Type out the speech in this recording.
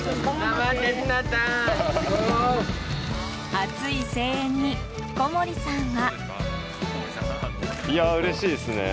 熱い声援に、小森さんは。